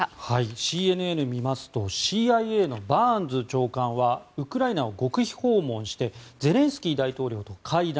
ＣＮＮを見ますとＣＩＡのバーンズ長官はウクライナを極秘訪問してゼレンスキー大統領と会談。